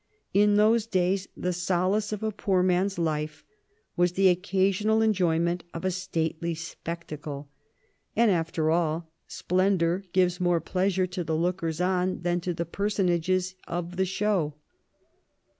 In those days the 'solace of a poor man's life was the occasional enjoy ment of a stately spectacle; and after all, splendour gives more pleasure to the lookers on than to the personages of the show.